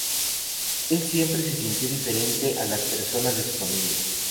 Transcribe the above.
Él siempre se sintió diferente a las personas de su familia.